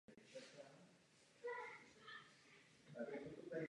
Vítáme rozhodnutí prezidenta Saakašviliho vypsat předčasné parlamentní volby.